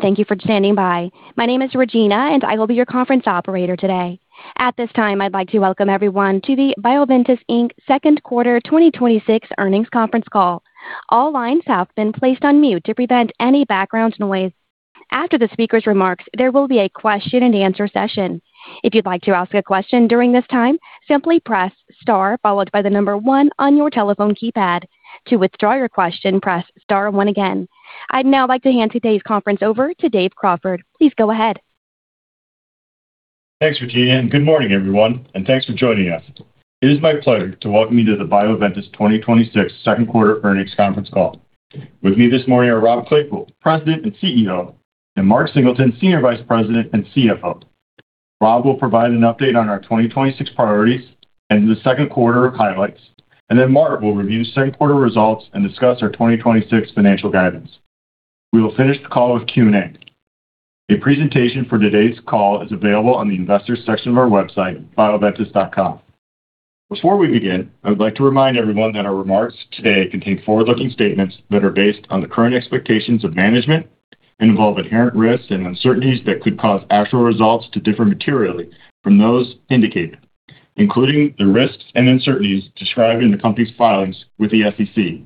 Thank you for standing by. My name is Regina, and I will be your conference operator today. At this time, I'd like to welcome everyone to the Bioventus Inc Second Quarter 2026 Earnings Conference Call. All lines have been placed on mute to prevent any background noise. After the speaker's remarks, there will be a question-and-answer session. If you'd like to ask a question during this time, simply press star followed by the number one on your telephone keypad. To withdraw your question, press star one again. I'd now like to hand today's conference over to Dave Crawford. Please go ahead. Thanks, Regina. Good morning, everyone, and thanks for joining us. It is my pleasure to welcome you to the Bioventus 2026 second quarter earnings conference call. With me this morning are Rob Claypoole, President and CEO, and Mark Singleton, Senior Vice President and CFO. Rob will provide an update on our 2026 priorities and the second quarter highlights. Mark will review second quarter results and discuss our 2026 financial guidance. We will finish the call with Q&A. A presentation for today's call is available on the investors section of our website, bioventus.com. Before we begin, I would like to remind everyone that our remarks today contain forward-looking statements that are based on the current expectations of management and involve inherent risks and uncertainties that could cause actual results to differ materially from those indicated, including the risks and uncertainties described in the company's filings with the SEC,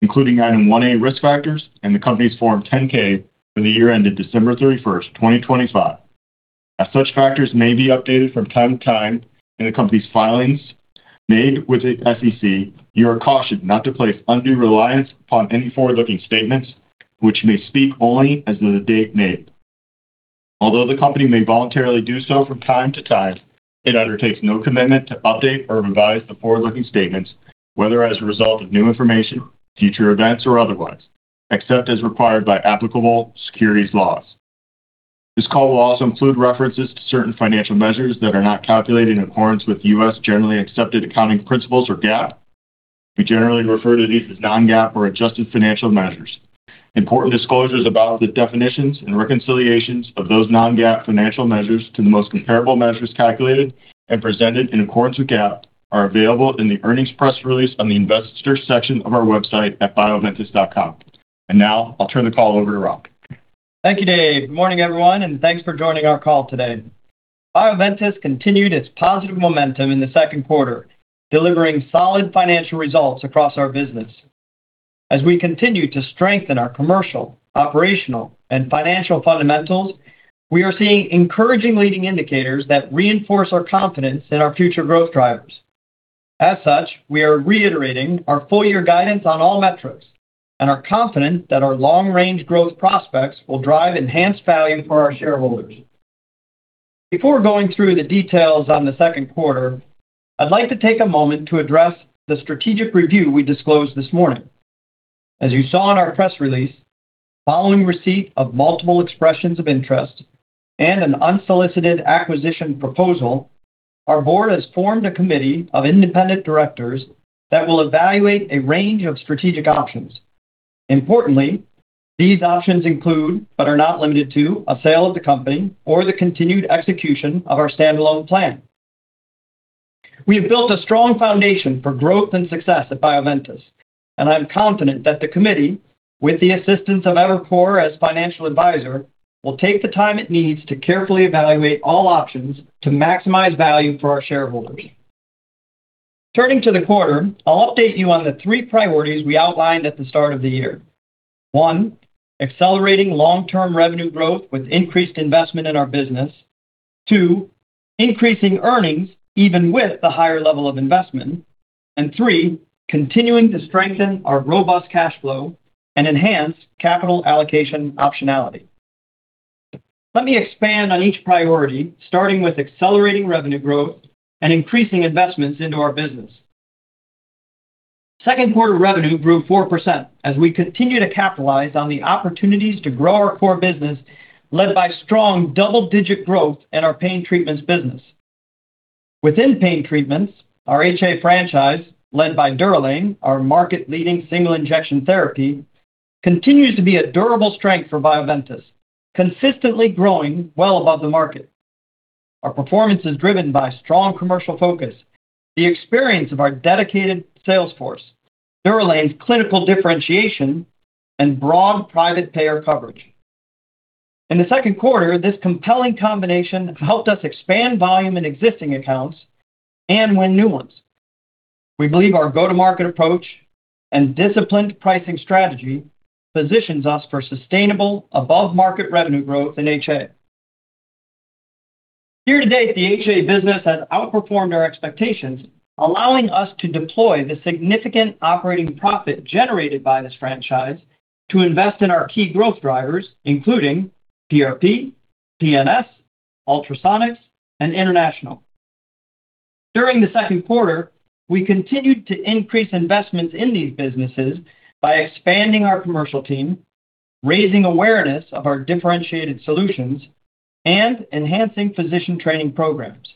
including Item 1A Risk Factors and the company's Form 10-K for the year ended December 31st, 2025. As such factors may be updated from time to time in the company's filings made with the SEC, you are cautioned not to place undue reliance upon any forward-looking statements, which may speak only as of the date made. Although the company may voluntarily do so from time to time, it undertakes no commitment to update or revise the forward-looking statements, whether as a result of new information, future events, or otherwise, except as required by applicable securities laws. This call will also include references to certain financial measures that are not calculated in accordance with U.S. generally accepted accounting principles, or GAAP. We generally refer to these as non-GAAP or adjusted financial measures. Important disclosures about the definitions and reconciliations of those non-GAAP financial measures to the most comparable measures calculated and presented in accordance with GAAP are available in the earnings press release on the investors section of our website at bioventus.com. Now I'll turn the call over to Rob. Thank you, Dave. Good morning, everyone, thanks for joining our call today. Bioventus continued its positive momentum in the second quarter, delivering solid financial results across our business. As we continue to strengthen our commercial, operational, and financial fundamentals, we are seeing encouraging leading indicators that reinforce our confidence in our future growth drivers. As such, we are reiterating our full-year guidance on all metrics and are confident that our long-range growth prospects will drive enhanced value for our shareholders. Before going through the details on the second quarter, I'd like to take a moment to address the strategic review we disclosed this morning. As you saw in our press release, following receipt of multiple expressions of interest and an unsolicited acquisition proposal, our board has formed a committee of independent directors that will evaluate a range of strategic options. Importantly, these options include, but are not limited to, a sale of the company or the continued execution of our standalone plan. We have built a strong foundation for growth and success at Bioventus, I'm confident that the committee, with the assistance of Evercore as financial advisor, will take the time it needs to carefully evaluate all options to maximize value for our shareholders. Turning to the quarter, I'll update you on the three priorities we outlined at the start of the year. One, accelerating long-term revenue growth with increased investment in our business. Two, increasing earnings even with the higher level of investment. Three, continuing to strengthen our robust cash flow and enhance capital allocation optionality. Let me expand on each priority, starting with accelerating revenue growth and increasing investments into our business. Second quarter revenue grew 4% as we continue to capitalize on the opportunities to grow our core business, led by strong double-digit growth in our Pain Treatments business. Within Pain Treatments, our HA franchise, led by DUROLANE, our market-leading single-injection therapy, continues to be a durable strength for Bioventus, consistently growing well above the market. Our performance is driven by strong commercial focus, the experience of our dedicated sales force, DUROLANE's clinical differentiation, and broad private payer coverage. In the second quarter, this compelling combination helped us expand volume in existing accounts and win new ones. We believe our go-to-market approach and disciplined pricing strategy positions us for sustainable above-market revenue growth in HA. Year to date, the HA business has outperformed our expectations, allowing us to deploy the significant operating profit generated by this franchise to invest in our key growth drivers, including PRP, PNS, Ultrasonics, and International. During the second quarter, we continued to increase investments in these businesses by expanding our commercial team, raising awareness of our differentiated solutions, and enhancing physician training programs.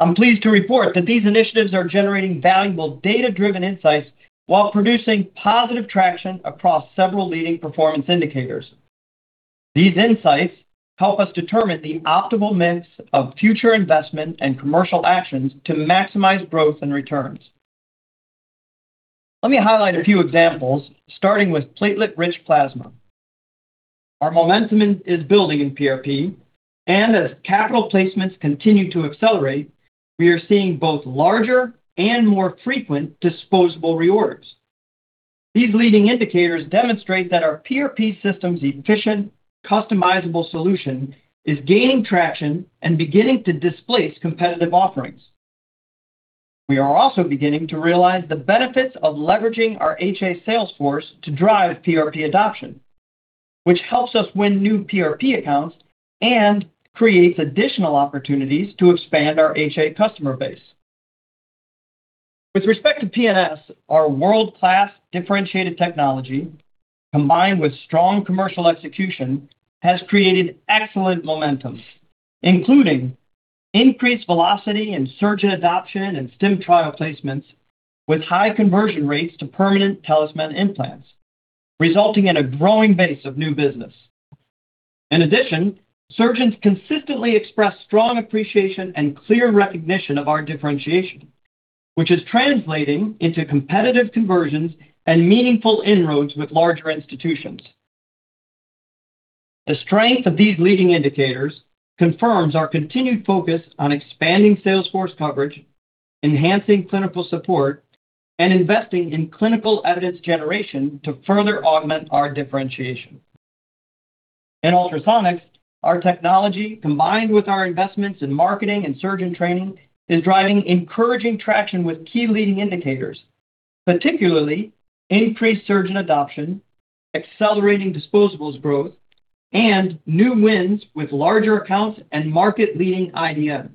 I'm pleased to report that these initiatives are generating valuable data-driven insights while producing positive traction across several leading performance indicators. These insights help us determine the optimal mix of future investment and commercial actions to maximize growth and returns. Let me highlight a few examples, starting with platelet-rich plasma. Our momentum is building in PRP, as capital placements continue to accelerate, we are seeing both larger and more frequent disposable reorders. These leading indicators demonstrate that our PRP system's efficient, customizable solution is gaining traction and beginning to displace competitive offerings. We are also beginning to realize the benefits of leveraging our HA sales force to drive PRP adoption, which helps us win new PRP accounts and creates additional opportunities to expand our HA customer base. With respect to PNS, our world-class differentiated technology, combined with strong commercial execution, has created excellent momentum, including increased velocity in surgeon adoption and StimTrial placements with high conversion rates to permanent TalisMann implants, resulting in a growing base of new business. In addition, surgeons consistently express strong appreciation and clear recognition of our differentiation, which is translating into competitive conversions and meaningful inroads with larger institutions. The strength of these leading indicators confirms our continued focus on expanding sales force coverage, enhancing clinical support, and investing in clinical evidence generation to further augment our differentiation. In Ultrasonics, our technology, combined with our investments in marketing and surgeon training, is driving encouraging traction with key leading indicators, particularly increased surgeon adoption, accelerating disposables growth, and new wins with larger accounts and market-leading IDNs.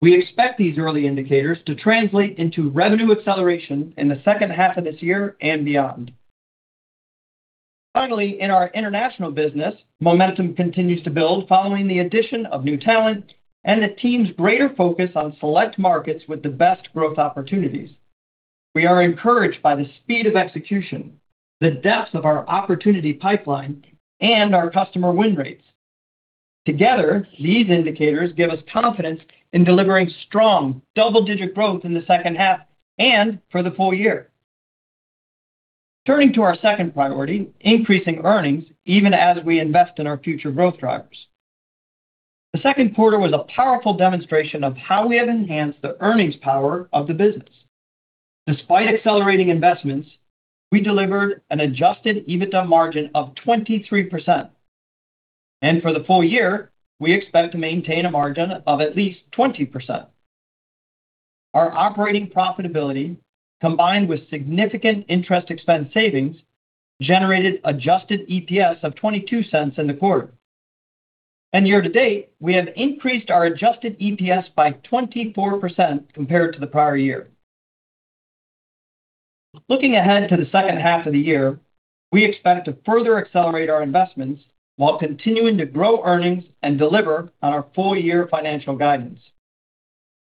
We expect these early indicators to translate into revenue acceleration in the second half of this year and beyond. Finally, in our international business, momentum continues to build following the addition of new talent and the team's greater focus on select markets with the best growth opportunities. We are encouraged by the speed of execution, the depth of our opportunity pipeline, and our customer win rates. Together, these indicators give us confidence in delivering strong double-digit growth in the second half and for the full year. Turning to our second priority, increasing earnings, even as we invest in our future growth drivers. The second quarter was a powerful demonstration of how we have enhanced the earnings power of the business. Despite accelerating investments, we delivered an adjusted EBITDA margin of 23%. For the full year, we expect to maintain a margin of at least 20%. Our operating profitability, combined with significant interest expense savings, generated adjusted EPS of $0.22 in the quarter. Year to date, we have increased our adjusted EPS by 24% compared to the prior year. Looking ahead to the second half of the year, we expect to further accelerate our investments while continuing to grow earnings and deliver on our full-year financial guidance.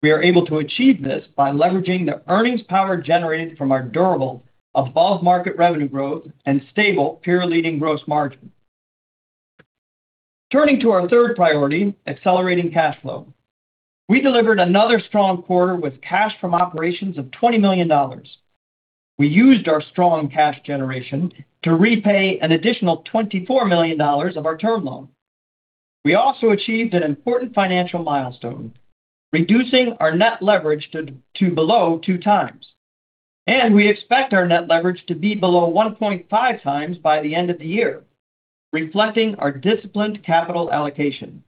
We are able to achieve this by leveraging the earnings power generated from our durable above-market revenue growth and stable peer-leading gross margin. Turning to our third priority, accelerating cash flow. We delivered another strong quarter with cash from operations of $20 million. We used our strong cash generation to repay an additional $24 million of our term loan. We also achieved an important financial milestone, reducing our net leverage to below 2x. We expect our net leverage to be below 1.5x by the end of the year, reflecting our disciplined capital allocation.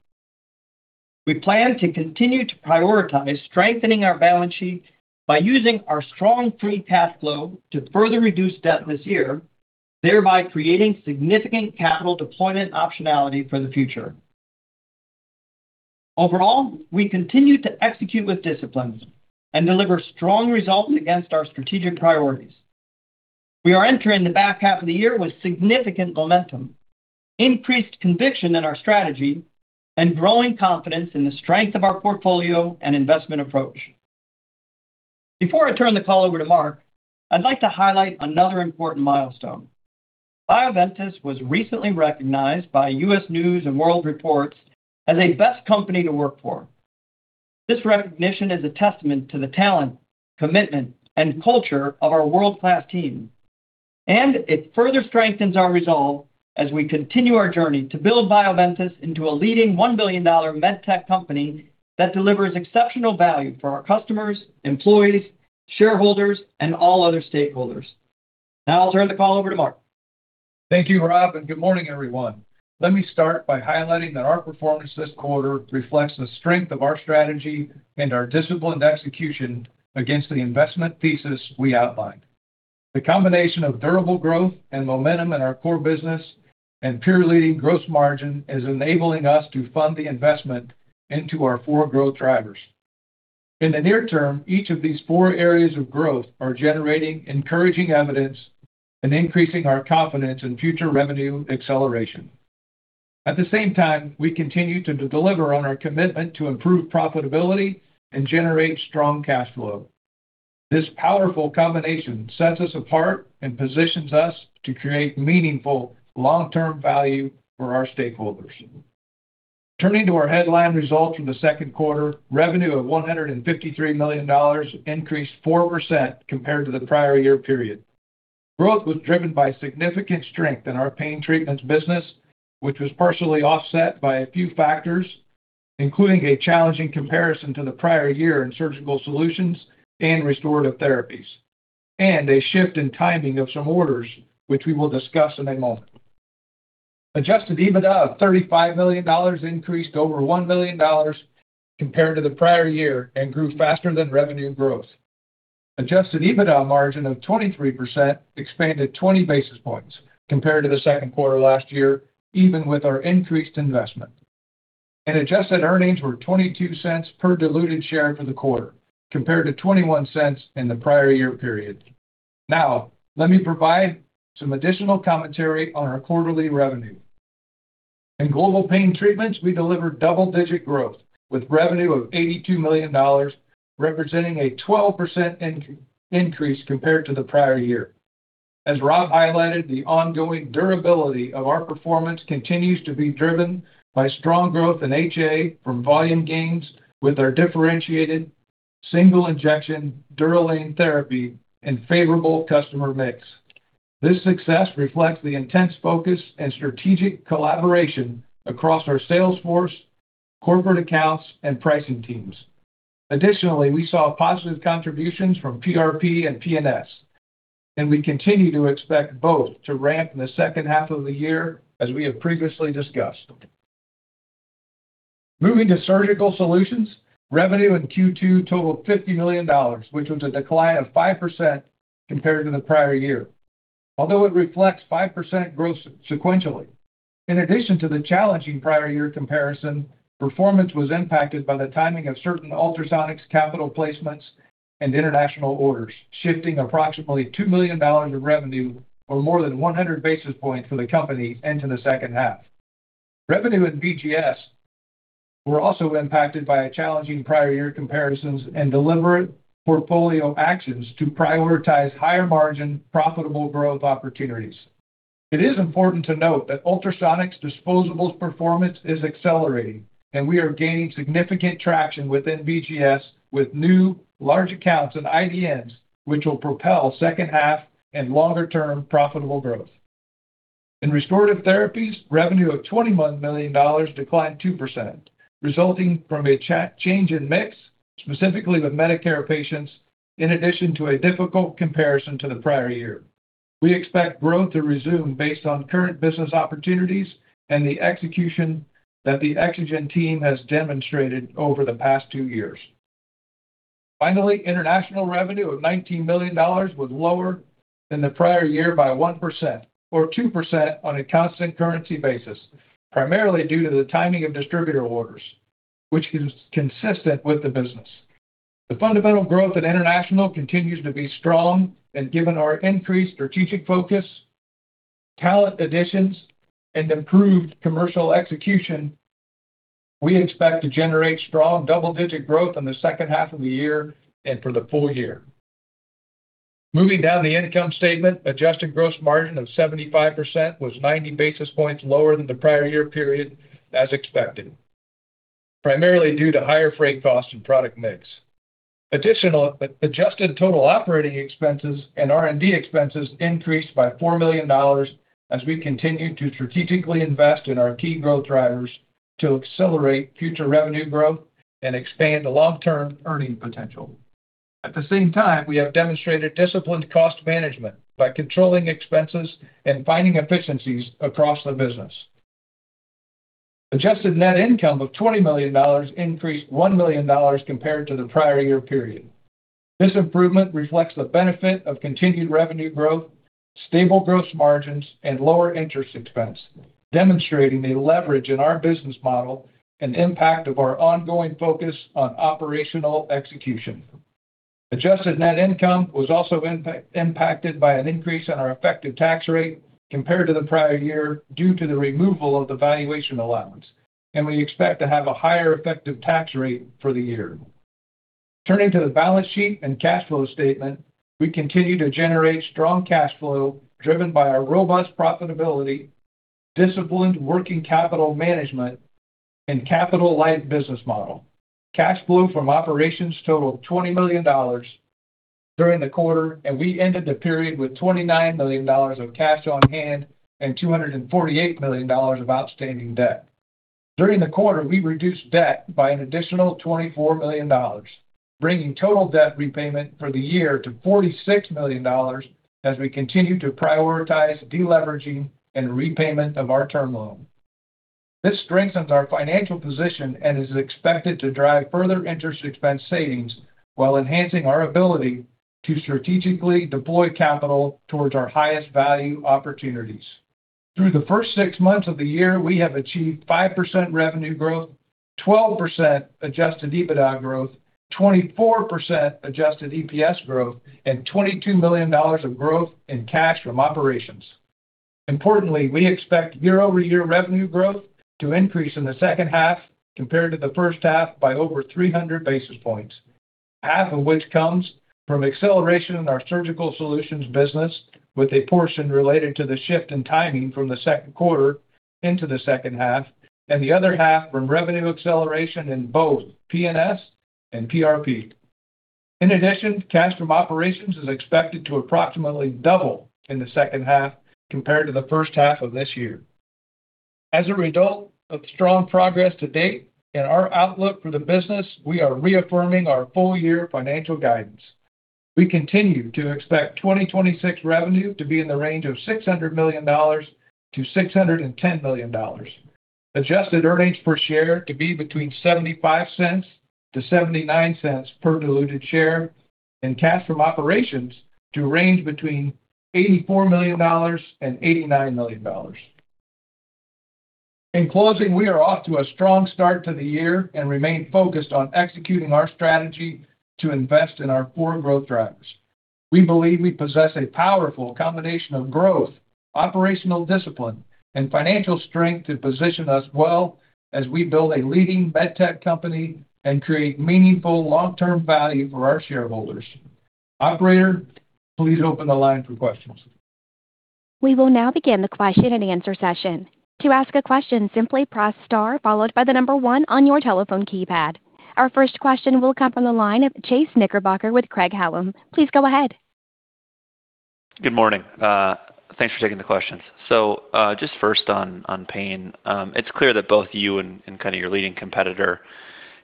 We plan to continue to prioritize strengthening our balance sheet by using our strong free cash flow to further reduce debt this year, thereby creating significant capital deployment optionality for the future. Overall, we continue to execute with discipline and deliver strong results against our strategic priorities. We are entering the back half of the year with significant momentum, increased conviction in our strategy, and growing confidence in the strength of our portfolio and investment approach. Before I turn the call over to Mark, I'd like to highlight another important milestone. Bioventus was recently recognized by U.S. News & World Report as a Best Company to Work For. This recognition is a testament to the talent, commitment, and culture of our world-class team. It further strengthens our resolve as we continue our journey to build Bioventus into a leading $1 billion medtech company that delivers exceptional value for our customers, employees, shareholders, and all other stakeholders. Now I'll turn the call over to Mark. Thank you, Rob, and good morning, everyone. Let me start by highlighting that our performance this quarter reflects the strength of our strategy and our disciplined execution against the investment thesis we outlined. The combination of durable growth and momentum in our core business and peer-leading gross margin is enabling us to fund the investment into our four growth drivers. In the near term, each of these four areas of growth are generating encouraging evidence and increasing our confidence in future revenue acceleration. At the same time, we continue to deliver on our commitment to improve profitability and generate strong cash flow. This powerful combination sets us apart and positions us to create meaningful long-term value for our stakeholders. Turning to our headline results from the second quarter, revenue of $153 million increased 4% compared to the prior year period. Growth was driven by significant strength in our Pain Treatments business, which was partially offset by a few factors, including a challenging comparison to the prior year in Surgical Solutions and Restorative Therapies, and a shift in timing of some orders, which we will discuss in a moment. Adjusted EBITDA of $35 million increased over $1 million compared to the prior year, grew faster than revenue growth. Adjusted EBITDA margin of 23% expanded 20 basis points compared to the second quarter last year, even with our increased investment. Adjusted earnings were $0.22 per diluted share for the quarter, compared to $0.21 in the prior year period. Now, let me provide some additional commentary on our quarterly revenue. In global Pain Treatments, we delivered double-digit growth with revenue of $82 million, representing a 12% increase compared to the prior year. As Rob highlighted, the ongoing durability of our performance continues to be driven by strong growth in HA from volume gains with our differentiated single-injection DUROLANE therapy and favorable customer mix. This success reflects the intense focus and strategic collaboration across our sales force, corporate accounts, and pricing teams. Additionally, we saw positive contributions from PRP and PNS, and we continue to expect both to ramp in the second half of the year, as we have previously discussed. Moving to Surgical Solutions, revenue in Q2 totaled $50 million, which was a decline of 5% compared to the prior year. Although it reflects 5% growth sequentially. In addition to the challenging prior year comparison, performance was impacted by the timing of certain Ultrasonics capital placements and international orders, shifting approximately $2 million of revenue, or more than 100 basis points for the company into the second half. Revenue in BGS were also impacted by a challenging prior year comparison and deliberate portfolio actions to prioritize higher margin, profitable growth opportunities. It is important to note that Ultrasonics disposables performance is accelerating, and we are gaining significant traction within BGS with new large accounts and IDNs, which will propel second half and longer term profitable growth. In Restorative Therapies, revenue of $21 million declined 2%, resulting from a change in mix, specifically with Medicare patients, in addition to a difficult comparison to the prior year. We expect growth to resume based on current business opportunities and the execution that the EXOGEN team has demonstrated over the past two years. International revenue of $19 million was lower than the prior year by 1%, or 2% on a constant currency basis, primarily due to the timing of distributor orders, which is consistent with the business. The fundamental growth in International continues to be strong and given our increased strategic focus, talent additions, and improved commercial execution, we expect to generate strong double-digit growth in the second half of the year and for the full year. Moving down the income statement, adjusted gross margin of 75% was 90 basis points lower than the prior year period as expected, primarily due to higher freight costs and product mix. Adjusted total operating expenses and R&D expenses increased by $4 million as we continue to strategically invest in our key growth drivers to accelerate future revenue growth and expand the long-term earning potential. At the same time, we have demonstrated disciplined cost management by controlling expenses and finding efficiencies across the business. Adjusted net income of $20 million increased $1 million compared to the prior year period. This improvement reflects the benefit of continued revenue growth, stable gross margins, and lower interest expense, demonstrating the leverage in our business model and impact of our ongoing focus on operational execution. Adjusted net income was also impacted by an increase in our effective tax rate compared to the prior year due to the removal of the valuation allowance, and we expect to have a higher effective tax rate for the year. Turning to the balance sheet and cash flow statement, we continue to generate strong cash flow driven by our robust profitability, disciplined working capital management, and capital-light business model. Cash flow from operations totaled $20 million during the quarter, and we ended the period with $29 million of cash on hand and $248 million of outstanding debt. During the quarter, we reduced debt by an additional $24 million, bringing total debt repayment for the year to $46 million as we continue to prioritize deleveraging and repayment of our term loan. This strengthens our financial position and is expected to drive further interest expense savings while enhancing our ability to strategically deploy capital towards our highest value opportunities. Through the first six months of the year, we have achieved 5% revenue growth, 12% adjusted EBITDA growth, 24% adjusted EPS growth, and $22 million of growth in cash from operations. Importantly, we expect year-over-year revenue growth to increase in the second half compared to the first half by over 300 basis points. Half of which comes from acceleration in our Surgical Solutions business, with a portion related to the shift in timing from the second quarter into the second half, and the other half from revenue acceleration in both PNS and PRP. In addition, cash from operations is expected to approximately double in the second half compared to the first half of this year. As a result of strong progress to date and our outlook for the business, we are reaffirming our full year financial guidance. We continue to expect 2026 revenue to be in the range of $600 million-$610 million. Adjusted earnings per share to be between $0.75-$0.79 per diluted share, and cash from operations to range between $84 million and $89 million. In closing, we are off to a strong start to the year and remain focused on executing our strategy to invest in our core growth drivers. We believe we possess a powerful combination of growth, operational discipline, and financial strength to position us well as we build a leading medtech company and create meaningful long-term value for our shareholders. Operator, please open the line for questions. We will now begin the question-and-answer session. To ask a question, simply press star followed by the number one on your telephone keypad. Our first question will come from the line of Chase Knickerbocker with Craig-Hallum. Please go ahead. Good morning. Thanks for taking the questions. Just first on pain. It's clear that both you and your leading competitor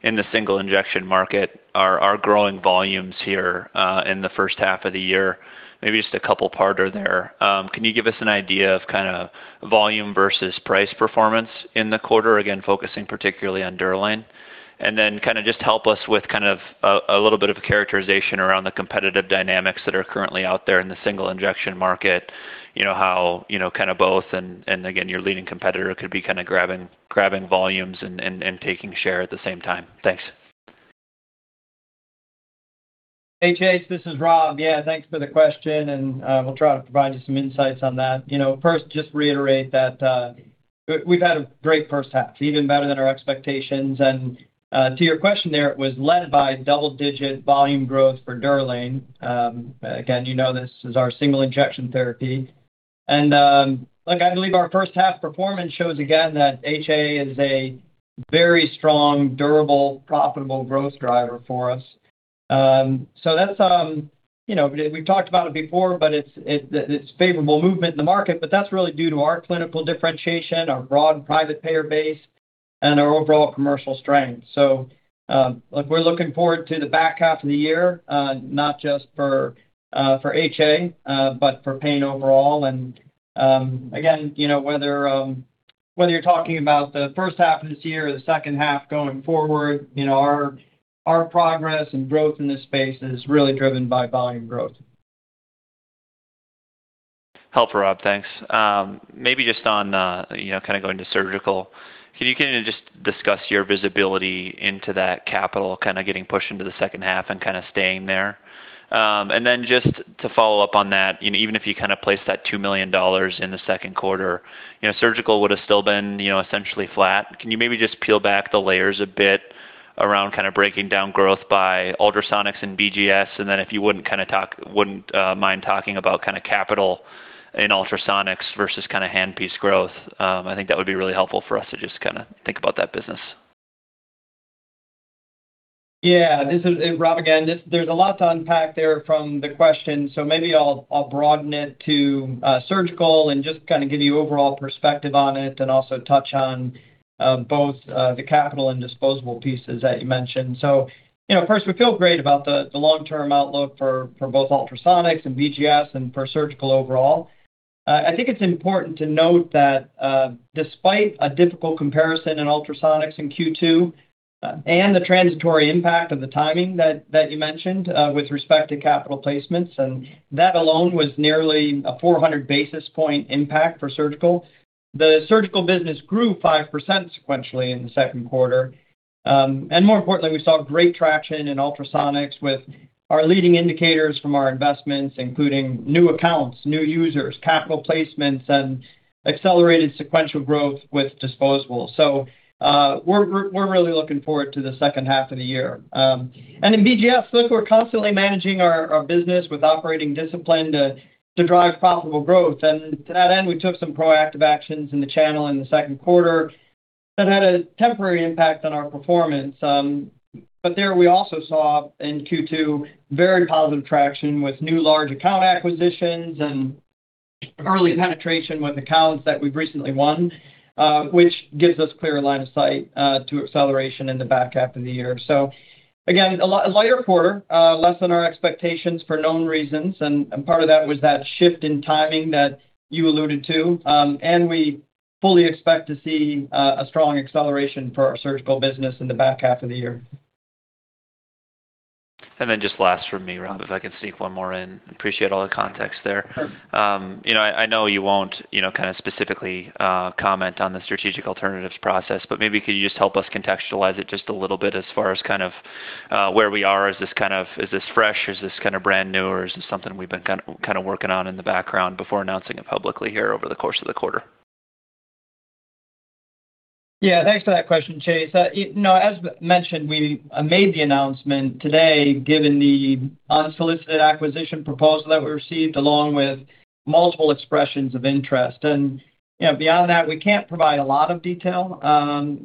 in the single-injection market are growing volumes here in the first half of the year. Maybe just a couple-parter there. Can you give us an idea of volume versus price performance in the quarter, again, focusing particularly on DUROLANE? Just help us with a little bit of a characterization around the competitive dynamics that are currently out there in the single-injection market, how both and, again, your leading competitor could be grabbing volumes and taking share at the same time. Thanks. Thanks for the question, and we'll try to provide you some insights on that. First, just reiterate that we've had a great first half, even better than our expectations. To your question there, it was led by double-digit volume growth for DUROLANE. Again, you know this is our single-injection therapy. Look, I believe our first half performance shows again that HA is a very strong, durable, profitable growth driver for us. We've talked about it before, but it's favorable movement in the market, but that's really due to our clinical differentiation, our broad private payer base, and our overall commercial strength. We're looking forward to the back half of the year, not just for HA, but for pain overall. Again, whether you're talking about the first half of this year or the second half going forward, our progress and growth in this space is really driven by volume growth. Helpful, Rob. Thanks. Maybe just on going to surgical, can you just discuss your visibility into that capital getting pushed into the second half and staying there? Then just to follow up on that, even if you place that $2 million in the second quarter, surgical would have still been essentially flat. Can you maybe just peel back the layers a bit around breaking down growth by Ultrasonics and BGS? Then if you wouldn't mind talking about capital in Ultrasonics versus handpiece growth. I think that would be really helpful for us to just think about that business. This is Rob again. There's a lot to unpack there from the question. Maybe I'll broaden it to surgical and just give you overall perspective on it and also touch on both the capital and disposable pieces that you mentioned. First, we feel great about the long-term outlook for both Ultrasonics and BGS and for surgical overall. I think it's important to note that despite a difficult comparison in Ultrasonics in Q2 and the transitory impact of the timing that you mentioned with respect to capital placements, and that alone was nearly a 400-basis-point impact for surgical. The surgical business grew 5% sequentially in the second quarter. More importantly, we saw great traction in Ultrasonics with our leading indicators from our investments, including new accounts, new users, capital placements, and accelerated sequential growth with disposables. We're really looking forward to the second half of the year. In BGS, look, we're constantly managing our business with operating discipline to drive profitable growth. To that end, we took some proactive actions in the channel in the second quarter that had a temporary impact on our performance. There, we also saw in Q2 very positive traction with new large account acquisitions and early penetration with accounts that we've recently won, which gives us clear line of sight to acceleration in the back half of the year. Again, a lighter quarter, less than our expectations for known reasons, and part of that was that shift in timing that you alluded to. We fully expect to see a strong acceleration for our surgical business in the back half of the year. Just last from me, Rob, if I could sneak one more in. Appreciate all the context there. Sure. I know you won't specifically comment on the strategic alternatives process, but maybe could you just help us contextualize it just a little bit as far as where we are? Is this fresh? Is this brand new, or is this something we've been working on in the background before announcing it publicly here over the course of the quarter? Yeah, thanks for that question, Chase. As mentioned, we made the announcement today given the unsolicited acquisition proposal that we received, along with multiple expressions of interest. Beyond that, we can't provide a lot of detail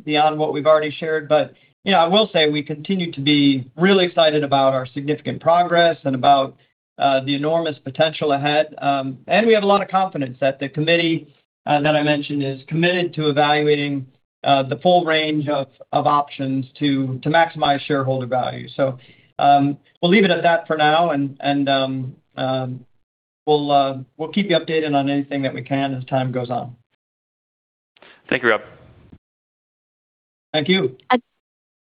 beyond what we've already shared. I will say we continue to be really excited about our significant progress and about the enormous potential ahead. We have a lot of confidence that the committee that I mentioned is committed to evaluating the full range of options to maximize shareholder value. We'll leave it at that for now, we'll keep you updated on anything that we can as time goes on. Thank you, Rob. Thank you.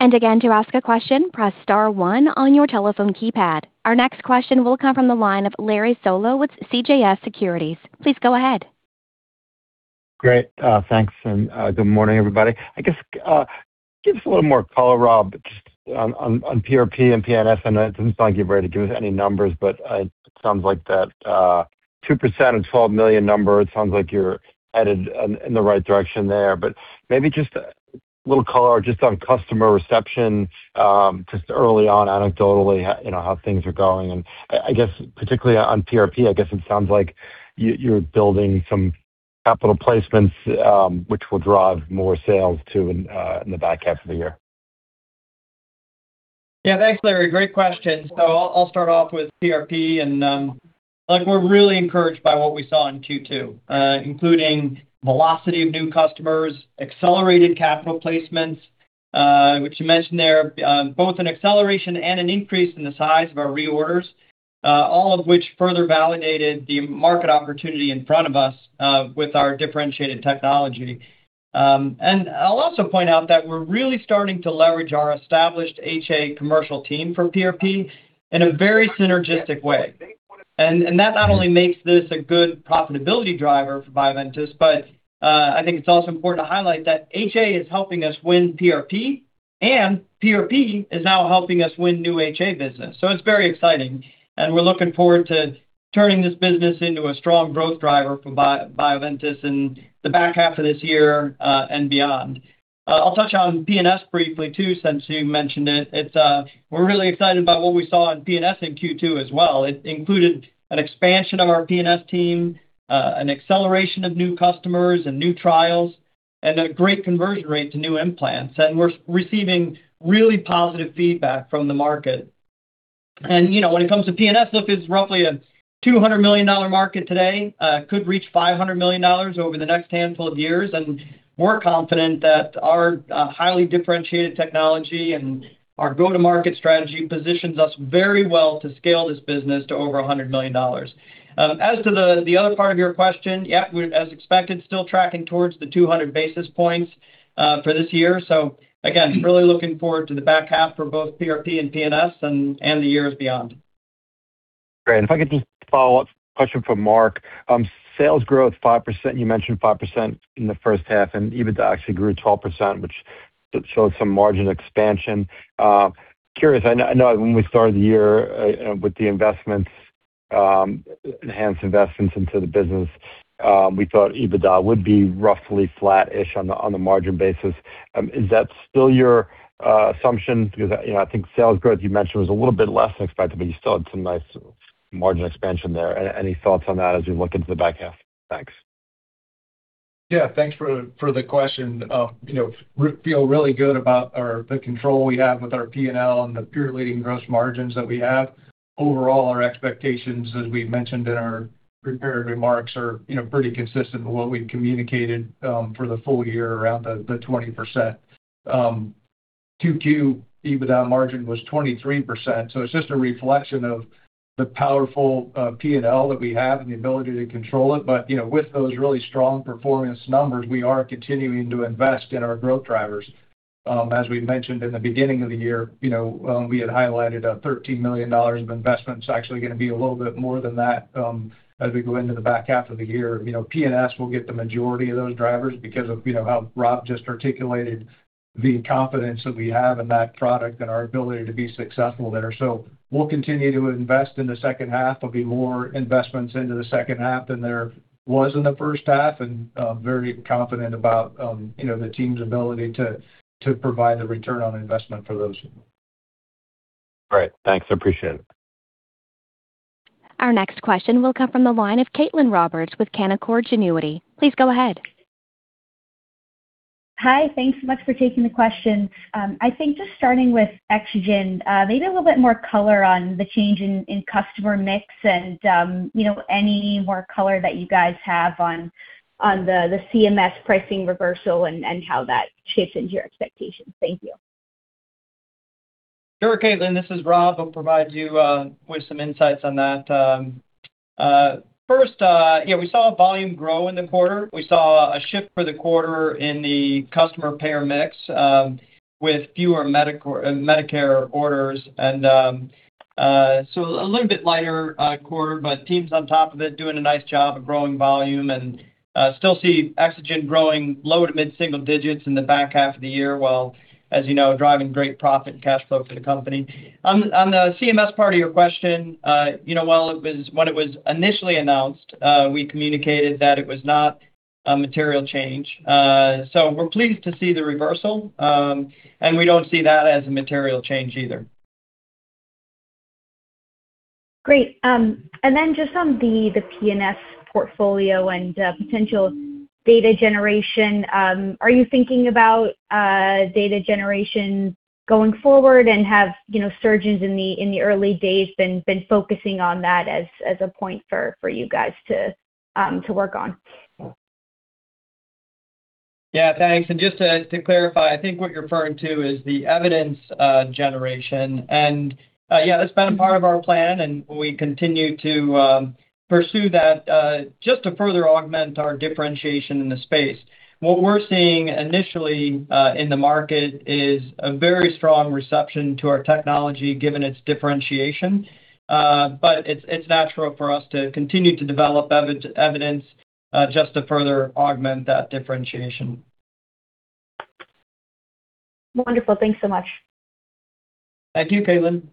Again, to ask a question, press star one on your telephone keypad. Our next question will come from the line of Larry Solow with CJS Securities. Please go ahead. Great. Thanks, and good morning, everybody. I guess, give us a little more color, Rob, just on PRP and PNS. I know it doesn't sound like you're ready to give us any numbers, but it sounds like that 2% and $12 million number, it sounds like you're headed in the right direction there. Maybe just a little color just on customer reception, just early on anecdotally, how things are going. I guess particularly on PRP, I guess it sounds like you're building some capital placements, which will drive more sales too in the back half of the year. Thanks, Larry. Great question. I'll start off with PRP, and look, we're really encouraged by what we saw in Q2, including velocity of new customers, accelerated capital placements, which you mentioned there, both an acceleration and an increase in the size of our reorders, all of which further validated the market opportunity in front of us with our differentiated technology. I'll also point out that we're really starting to leverage our established HA commercial team for PRP in a very synergistic way. That not only makes this a good profitability driver for Bioventus, but I think it's also important to highlight that HA is helping us win PRP, and PRP is now helping us win new HA business. It's very exciting, and we're looking forward to turning this business into a strong growth driver for Bioventus in the back half of this year and beyond. I'll touch on PNS briefly, too, since you mentioned it. We're really excited about what we saw on PNS in Q2 as well. It included an expansion of our PNS team, an acceleration of new customers and new trials, and a great conversion rate to new implants. We're receiving really positive feedback from the market. When it comes to PNS, look, it's roughly a $200 million market today, could reach $500 million over the next handful of years. We're confident that our highly differentiated technology and our go-to-market strategy positions us very well to scale this business to over $100 million. As to the other part of your question, as expected, still tracking towards the 200 basis points for this year. Again, really looking forward to the back half for both PRP and PNS and the years beyond. Great. If I could just follow up question for Mark. Sales growth 5%, you mentioned 5% in the first half, and EBITDA actually grew 12%, which shows some margin expansion. Curious, I know when we started the year with the investments, enhanced investments into the business, we thought EBITDA would be roughly flat-ish on the margin basis. Is that still your assumption? I think sales growth, you mentioned, was a little bit less than expected, but you still had some nice margin expansion there. Any thoughts on that as we look into the back half? Thanks. Thanks for the question. We feel really good about the control we have with our P&L and the peer-leading gross margins that we have. Overall, our expectations, as we mentioned in our prepared remarks, are pretty consistent with what we've communicated for the full year around the 20%. Q2 EBITDA margin was 23%, so it's just a reflection of the powerful P&L that we have and the ability to control it. With those really strong performance numbers, we are continuing to invest in our growth drivers. As we mentioned in the beginning of the year, we had highlighted a $13 million of investment. It's actually going to be a little bit more than that as we go into the back half of the year. PNS will get the majority of those drivers because of how Rob just articulated the confidence that we have in that product and our ability to be successful there. We'll continue to invest in the second half. There'll be more investments into the second half than there was in the first half, and I'm very confident about the team's ability to provide the return on investment for those. All right. Thanks. I appreciate it. Our next question will come from the line of Caitlin Roberts with Canaccord Genuity. Please go ahead. Hi. Thanks so much for taking the question. I think just starting with EXOGEN, maybe a little bit more color on the change in customer mix and any more color that you guys have on the CMS pricing reversal and how that fits into your expectations. Thank you. Sure, Caitlin, this is Rob. I'll provide you with some insights on that. First, we saw volume grow in the quarter. We saw a shift for the quarter in the customer payer mix with fewer Medicare orders. A little bit lighter quarter, but team's on top of it, doing a nice job of growing volume and still see EXOGEN growing low- to mid-single digits in the back half of the year, while, as you know, driving great profit and cash flow for the company. On the CMS part of your question, when it was initially announced, we communicated that it was not a material change. We're pleased to see the reversal, and we don't see that as a material change either. Great. Just on the PNS portfolio and potential data generation, are you thinking about data generation going forward and have surgeons in the early days been focusing on that as a point for you guys to work on? Yeah, thanks. Just to clarify, I think what you're referring to is the evidence generation. Yeah, that's been a part of our plan, and we continue to pursue that just to further augment our differentiation in the space. What we're seeing initially in the market is a very strong reception to our technology, given its differentiation. It's natural for us to continue to develop evidence, just to further augment that differentiation. Wonderful. Thanks so much. Thank you, Caitlin.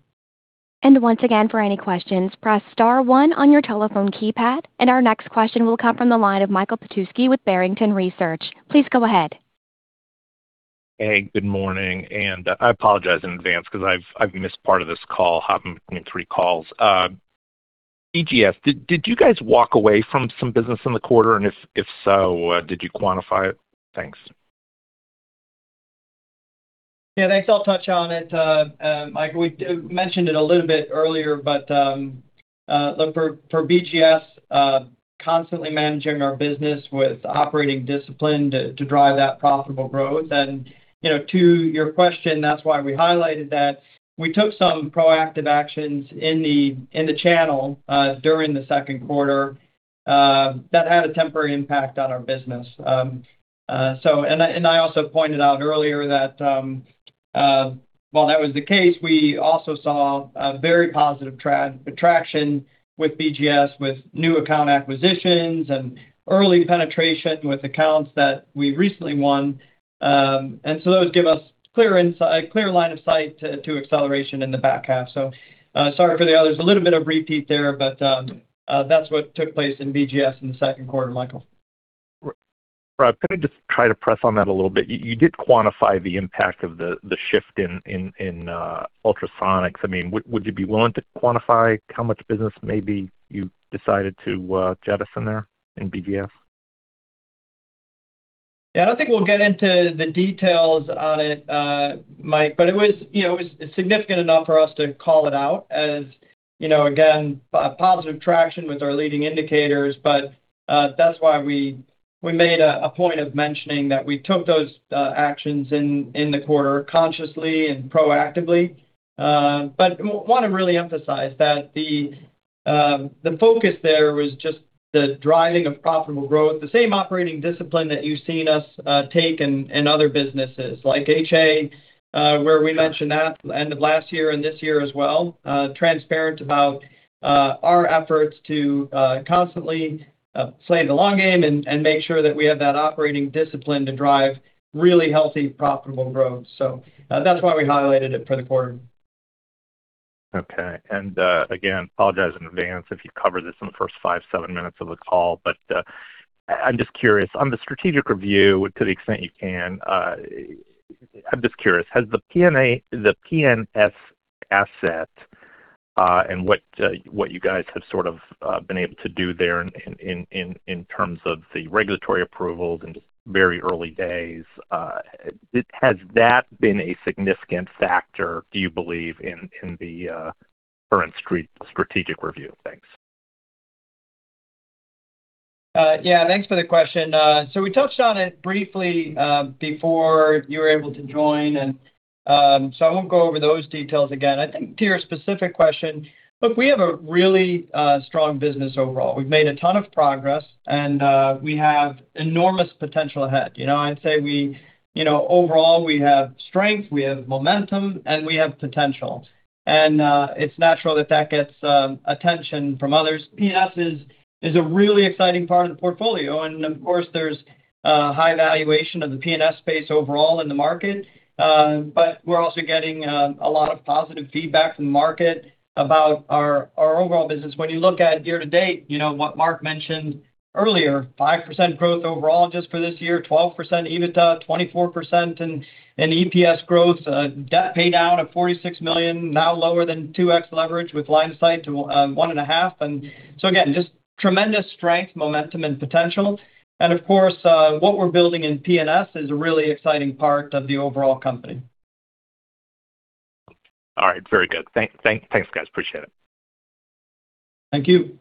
Once again, for any questions, press star one on your telephone keypad. Our next question will come from the line of Mike Petusky with Barrington Research. Please go ahead. Hey, good morning, and I apologize in advance because I've missed part of this call hopping between three calls. BGS, did you guys walk away from some business in the quarter? If so, did you quantify it? Thanks. Yeah, thanks. I'll touch on it. Mike, we mentioned it a little bit earlier, but look, for BGS, constantly managing our business with operating discipline to drive that profitable growth. To your question, that's why we highlighted that we took some proactive actions in the channel during the second quarter that had a temporary impact on our business. I also pointed out earlier that while that was the case, we also saw a very positive traction with BGS, with new account acquisitions and early penetration with accounts that we recently won. Those give us clear line of sight to acceleration in the back half. Sorry for the others, a little bit of repeat there, but that's what took place in BGS in the second quarter, Mike. Rob, can I just try to press on that a little bit? You did quantify the impact of the shift in Ultrasonics. Would you be willing to quantify how much business maybe you decided to jettison there in BGS? Yeah, I don't think we'll get into the details on it, Mike, but it was significant enough for us to call it out as, again, positive traction with our leading indicators. That's why we made a point of mentioning that we took those actions in the quarter consciously and proactively. Want to really emphasize that the focus there was just the driving of profitable growth, the same operating discipline that you've seen us take in other businesses like HA, where we mentioned that end of last year and this year as well, transparent about our efforts to constantly play the long game and make sure that we have that operating discipline to drive really healthy, profitable growth. That's why we highlighted it for the quarter. Okay. Again, apologize in advance if you covered this in the first five, seven minutes of the call, but I'm just curious on the strategic review to the extent you can. I'm just curious, has the PNS asset, and what you guys have sort of been able to do there in terms of the regulatory approvals in very early days, has that been a significant factor, do you believe, in the current strategic review? Thanks. Yeah, thanks for the question. We touched on it briefly before you were able to join. I won't go over those details again. I think to your specific question, look, we have a really strong business overall. We've made a ton of progress, and we have enormous potential ahead. I'd say we overall have strength, we have momentum, and we have potential, and it's natural that gets attention from others. PNS is a really exciting part of the portfolio. Of course, there's high valuation of the PNS space overall in the market. We're also getting a lot of positive feedback from the market about our overall business. When you look at year to date, what Mark mentioned earlier, 5% growth overall just for this year, 12% EBITDA, 24% in EPS growth, debt paydown of $46 million, now lower than 2x leverage with line of sight to 1.5x. Again, just tremendous strength, momentum and potential. Of course, what we're building in PNS is a really exciting part of the overall company. All right, very good. Thanks, guys. Appreciate it. Thank you.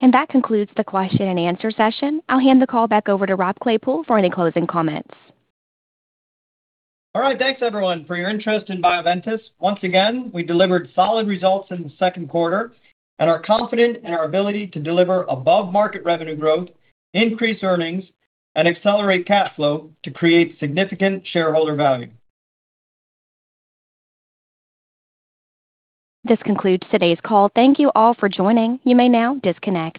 That concludes the question-and-answer session. I'll hand the call back over to Rob Claypoole for any closing comments. All right. Thanks everyone for your interest in Bioventus. Once again, we delivered solid results in the second quarter and are confident in our ability to deliver above-market revenue growth, increase earnings, and accelerate cash flow to create significant shareholder value. This concludes today's call. Thank you all for joining. You may now disconnect.